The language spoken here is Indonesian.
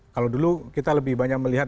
kalau dulu kita lebih banyak melihat